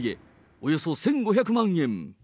およそ１５００万円。